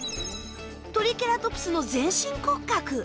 トリケラトプスの全身骨格。